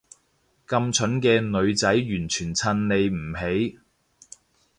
咁蠢嘅女仔完全襯你唔起